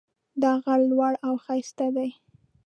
دا غر لوړ او ښایسته ده